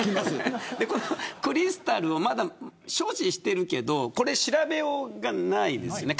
クリスタルをまだ所持しているけどこれ調べようがないですよね。